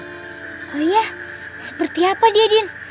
oh ya seperti apa dia din